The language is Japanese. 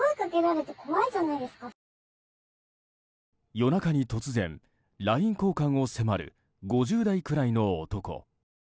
夜中に突然ＬＩＮＥ交換を迫る５０代くらいの男。